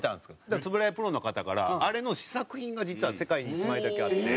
そしたら円谷プロの方からあれの試作品が実は世界に１枚だけあって。